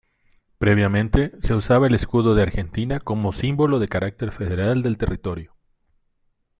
Previamente se usaba el escudo de Argentina como símbolo del carácter federal del territorio.